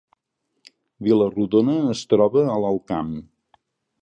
Vila-rodona es troba a l’Alt Camp